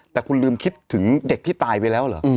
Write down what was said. แต่คุณลืมคิดถึงเด็กที่ตายไปแล้วเหรอ